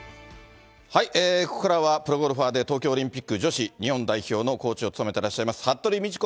ここからは、プロゴルファーで東京オリンピック女子日本代表のコーチを務めてらっしゃいます、服部道子